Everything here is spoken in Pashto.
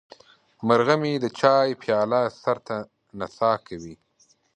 مرغه مې د چای پیاله سر ته نڅا کوي.